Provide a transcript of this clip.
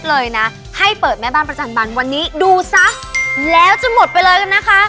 และจะหมดไปเลยนะคะ